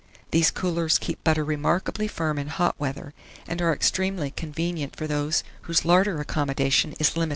These coolers keep butter remarkably firm in hot weather, and are extremely convenient for those whose larder accommodation is limited.